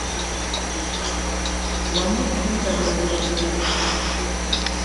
Wamu n'eddagala lye bagula